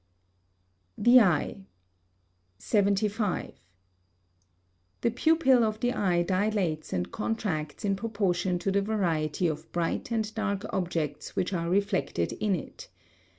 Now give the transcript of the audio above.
[Sidenote: The Eye] 75. The pupil of the eye dilates and contracts in proportion to the variety of bright and dark objects which are reflected in it.